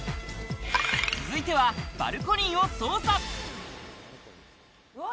続いてはバルコニーを捜査。